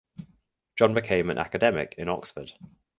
John became an academic in Oxford.